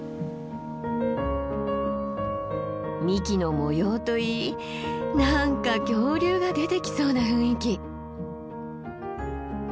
幹の模様といい何か恐竜が出てきそうな雰囲気。